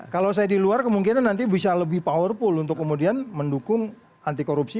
kalau saya di luar kemungkinan nanti bisa lebih powerful untuk kemudian mendukung anti korupsi